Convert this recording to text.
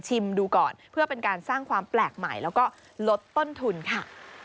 ดูก่อนเพื่อเป็นการสร้างความแปลกใหม่แล้วก็ลดต้นทุนค่ะ